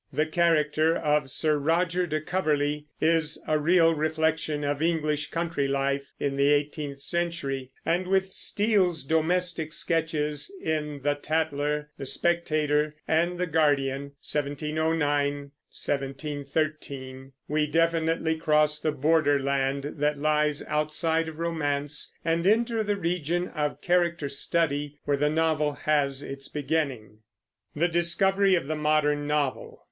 The character of Sir Roger de Coverley is a real reflection of English country life in the eighteenth century; and with Steele's domestic sketches in The Tatler, The Spectator, and The Guardian (1709 1713), we definitely cross the border land that lies outside of romance, and enter the region of character study where the novel has its beginning. THE DISCOVERY OF THE MODERN NOVEL.